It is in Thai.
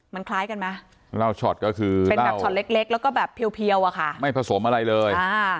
มันคล้ายกันไหมเล่าชอตก็คือเล็กแล้วก็แบบเพียวค่ะไม่ผสมอะไรเลย